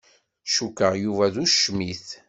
Cukkeɣ Yuba d ucmit.